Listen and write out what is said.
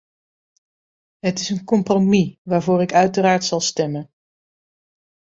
Het is een compromis, waarvoor ik uiteraard zal stemmen.